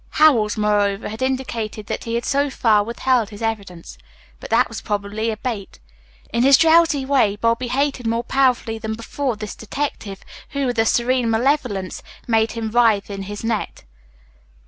Howells, moreover, had indicated that he had so far withheld his evidence. But that was probably a bait. In his drowsy way Bobby hated more powerfully than before this detective who, with a serene malevolence, made him writhe in his net.